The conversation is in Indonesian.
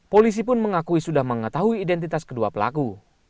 polisi pun mengakui sudah mengetahui identitas kedua pelaku